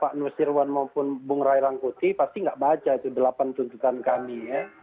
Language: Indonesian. baik pak nusir ruan maupun bung rai rangkuti pasti nggak baca itu delapan tuntutan kami